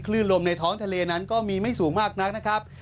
ลมในท้องทะเลนั้นก็มีไม่สูงมากนักนะครับ